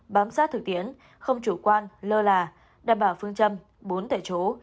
bám sát thực tiễn không chủ quan lơ là đảm bảo phương châm bốn tại chỗ